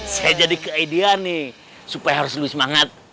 saya jadi ke ide nih supaya harus lebih semangat